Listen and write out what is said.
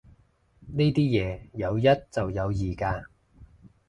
呢啲嘢有一就有二嘅